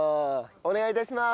お願い致します。